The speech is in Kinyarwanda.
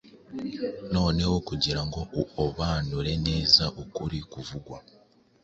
Noneho kugirango uobanure neza ukuri kuvugwa